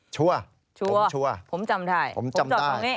ชัวร์ผมชัวร์ผมจำได้